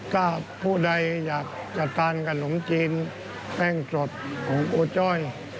ถ้าผู้ใดอยากจะทานขนมจีนแป้งสดของโอจ้อย